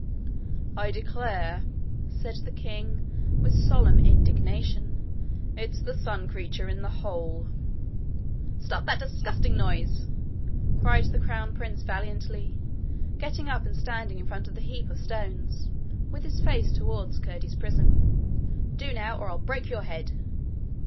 'I declare,' said the king with solemn indignation, 'it's the sun creature in the hole!' 'Stop that disgusting noise!' cried the crown prince valiantly, getting up and standing in front of the heap of stones, with his face towards Curdie's prison. 'Do now, or I'll break your head.'